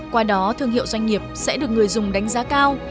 qua đó thương hiệu doanh nghiệp sẽ được người dùng đánh giá cao